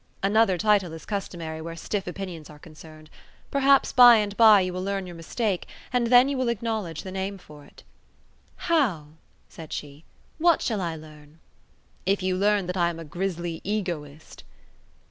"Another title is customary where stiff opinions are concerned. Perhaps by and by you will learn your mistake, and then you will acknowledge the name for it." "How?" said she. "What shall I learn?" "If you learn that I am a grisly Egoist?"